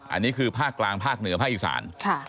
อันนี้คือภาคกลางภาคเหนือภาคอีสาน